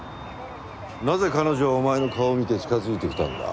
なぜ彼女はお前の顔を見て近づいてきたんだ？